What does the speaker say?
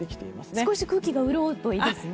少し空気が潤うといいですね。